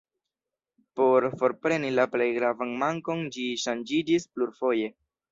Por forpreni la plej gravan mankon ĝi ŝanĝiĝis plurfoje.